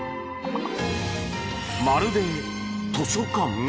まるで図書館？